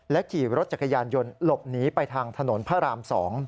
ขี่รถจักรยานยนต์หลบหนีไปทางถนนพระราม๒